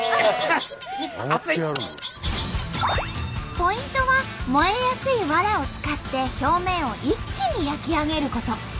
ポイントは燃えやすいわらを使って表面を一気に焼き上げること。